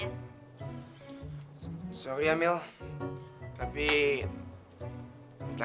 kamu tahu pokoknya kamu harus cari cincin itu